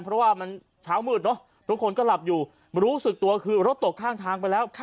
เพราะว่ามันเช้ามืดเนอะทุกคนก็หลับอยู่รู้สึกตัวคือรถตกข้างทางไปแล้ว